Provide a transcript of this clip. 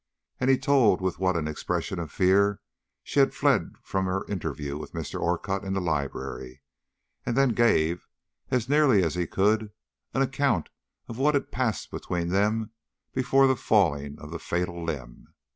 And he told with what an expression of fear she had fled from her interview with Mr. Orcutt in the library, and then gave, as nearly as he could, an account of what had passed between them before the falling of the fatal limb.